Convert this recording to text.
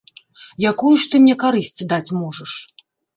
Якую ж ты мне карысць даць можаш?